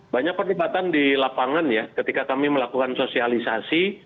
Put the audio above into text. banyak perdebatan di lapangan ya ketika kami melakukan sosialisasi